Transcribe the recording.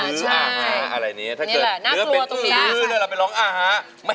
อื้อฮืออ่าฮาอะไรนี้ถ้าเกิดเหลือเป็นอื้อฮืออ่าฮาไปร้องอ่าฮา